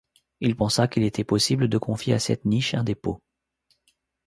Il pensa qu’il était possible de confier à cette niche un dépôt.